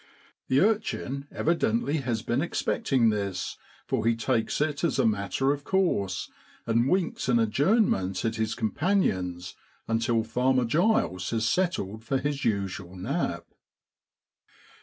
The urchin evidently has been expecting this, for he takes it as a matter of course, and winks an adjournment at his companions until Farmer Giles has settled for his usual nap.